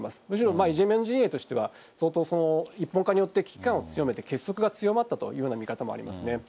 むしろイ・ジェミョン陣営としては、相当、一本化によって危機感を強めて、結束が強まったというような見方もありますね。